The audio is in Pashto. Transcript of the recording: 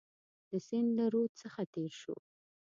د سیند له رود څخه تېر شو.